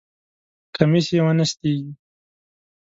کمیس یې ونستېږی!